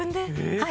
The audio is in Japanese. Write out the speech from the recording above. はい。